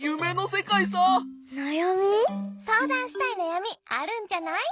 そうだんしたいなやみあるんじゃない？